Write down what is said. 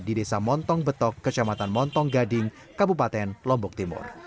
di desa montong betok kecamatan montong gading kabupaten lombok timur